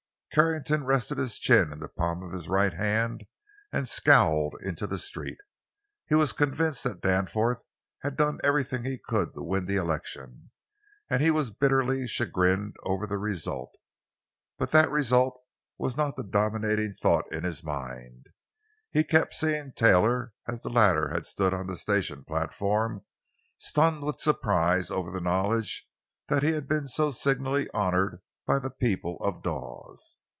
Carrington rested his chin in the palm of his right hand and scowled into the street. He was convinced that Danforth had done everything he could to win the election, and he was bitterly chagrined over the result. But that result was not the dominating thought in his mind. He kept seeing Taylor as the latter had stood on the station platform, stunned with surprise over the knowledge that he had been so signally honored by the people of Dawes.